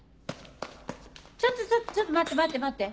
ちょっとちょっと待って待って待って。